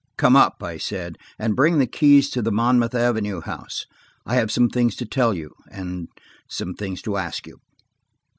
"Come up," I said, "and bring the keys to the Monmouth Avenue house. I have some things to tell you, and–some things to ask you."